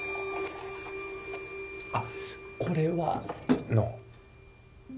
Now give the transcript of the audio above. あっこれはノー。